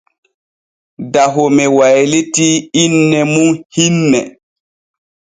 Dahome waylitii inne mum hinne.